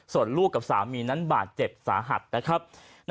ส่วนลูกกับสามีนั้นบาดเจ็บสาหัสนะครับ